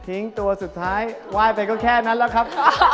ทิ้งตัวสุดท้ายว่ายไปก็แค่นั้นแล้วครับ